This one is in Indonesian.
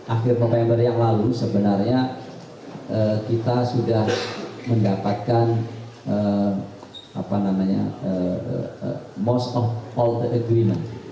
akhir november yang lalu sebenarnya kita sudah mendapatkan most of all the agreement